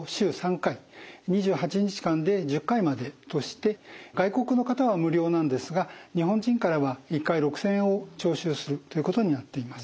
２８日間で１０回までとして外国の方は無料なんですが日本人からは１回６，０００円を徴収するということになっています。